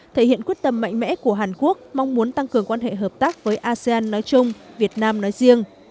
thể hiện quyết tâm mạnh mẽ của hàn quốc mong muốn tăng cường quan hệ hợp tác với asean nói chung việt nam nói riêng